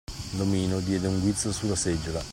L'omino diede un guizzo sulla seggiola.